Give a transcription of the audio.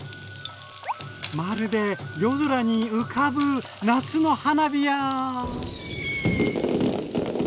まるで夜空に浮かぶ夏の花火や。